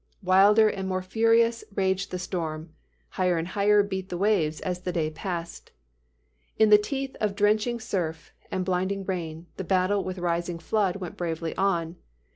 Wilder and more furious raged the storm: higher and higher beat the waves, as the day passed. "In the teeth of drenching surf and blinding rain, the battle with rising flood went bravely on.